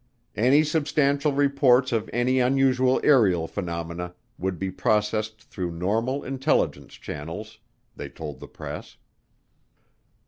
"Any substantial reports of any unusual aerial phenomena would be processed through normal intelligence channels," they told the press.